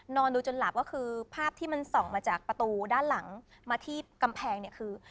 นอนดูจนหลับก็คือภาพที่มันส่องมาจากประตูด้านหลังมาที่กำแพงเนี่ยคือ